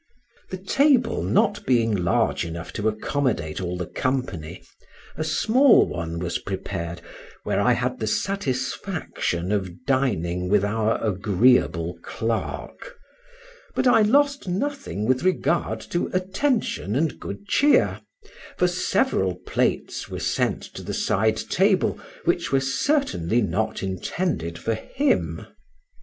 The table not being large enough to accommodate all the company, a small one was prepared, where I had the satisfaction of dining with our agreeable clerk; but I lost nothing with regard to attention and good cheer, for several plates were sent to the side table which were certainly not intended for him.